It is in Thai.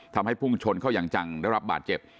ทำให้พุ่งชนเข้ายังจังและรับบาดเจ็บ